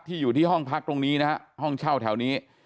อยู่ที่ห้องพักตรงนี้นะฮะห้องเช่าแถวนี้